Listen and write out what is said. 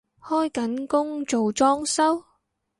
開緊工做裝修？